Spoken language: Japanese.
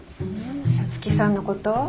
皐月さんのこと？